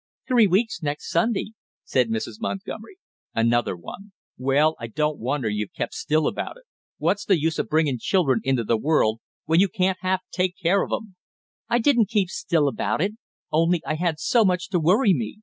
"Three weeks next Sunday," said Mrs. Montgomery. "Another one, well, I don't wonder you've kept still about it! What's the use of bringing children into the world when you can't half take care of 'em?" "I didn't keep still about it, only I had so much to worry me!"